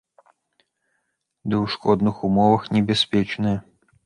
Ды ў шкодных умовах, небяспечная.